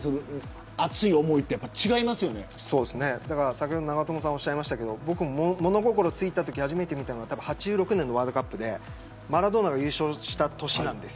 先ほど長友さんが言いましたが物心ついたときに初めて見たのは８６年のワールドカップでマラドーナが優勝した年なんです。